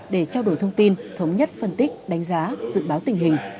để trao đổi thông tin thống nhất phân tích đánh giá dự báo tình hình